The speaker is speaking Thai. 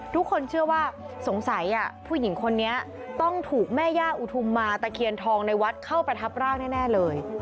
ทุกคนเชื่อว่าสงสัยผู้หญิงคนนี้ต้องถูกแม่ย่าอุทุมมาตะเคียนทองในวัดเข้าประทับร่างแน่เลย